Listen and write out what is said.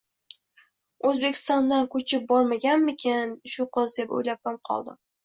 Oʻzbekistondan koʻchib bormaganmikin shu qiz deb oʻylabam qoldim.